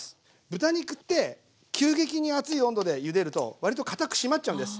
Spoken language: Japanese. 豚肉って急激に熱い温度でゆでると割とかたく締まっちゃうんです。